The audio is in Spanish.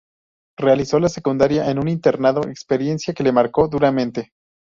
Realizó la secundaria en un internado, experiencia que le marcó duramente.